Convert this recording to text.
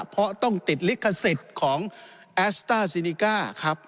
เพราะต้องติดลิขสิทธิ์ของแอสต้าซินิก้าครับ